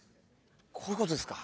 こういうことですか？